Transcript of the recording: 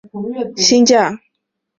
此套路原被称为新架。